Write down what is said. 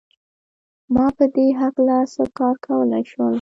ما په دې هکله څه کار کولای شول